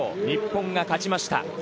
日本が勝ちました。